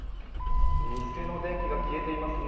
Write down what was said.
店の電気が消えていますね。